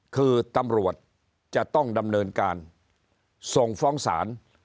คือตำรวจจะต้องดำเนินการส่งฟ้องศาล